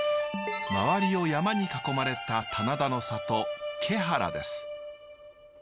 周りを山に囲まれた棚田の里毛原です。